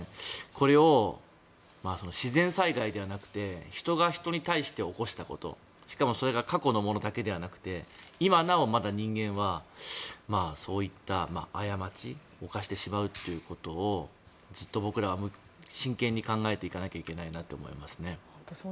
これを自然災害ではなくて人が人に対して起こしたことしかもそれが過去のものだけではなくて今なおまだ人間はそういった過ちを犯してしまうことをずっと僕らは真剣に考えていかなきゃいけないなと思いますね。